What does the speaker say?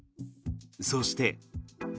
そして。